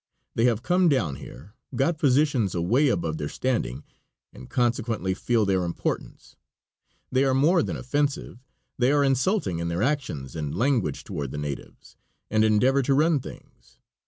They have come down here, got positions away above their standing, and consequently feel their importance; they are more than offensive, they are insulting in their actions and language toward the natives, and endeavor to run things.